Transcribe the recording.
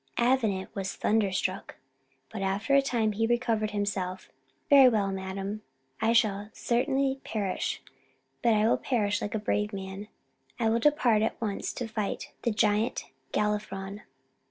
Avenant was thunderstruck; but after a time he recovered himself "Very well, madam. I shall certainly perish, but I will perish like a brave man. I will depart at once to fight the Giant Galifron."